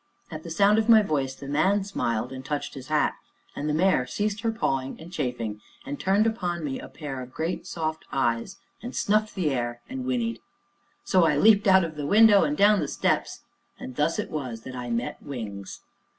At the sound of my voice the man smiled and touched his hat, and the mare ceased her pawing and chafing, and turned upon me a pair of great, soft eyes, and snuffed the air, and whinnied. So I leapt out of the window, and down the steps, and thus it was that I met "Wings."